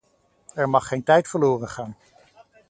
Er mag geen tijd verloren gaan.